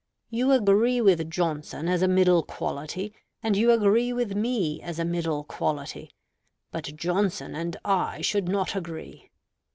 You agree with Johnson as a middle quality, and you agree with me as a middle quality; but Johnson and I should not agree."